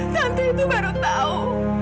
tante itu baru tau